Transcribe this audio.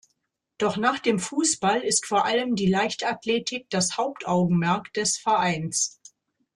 Doch nach dem Fußball ist vor allem die Leichtathletik das Hauptaugenmerk des Vereins.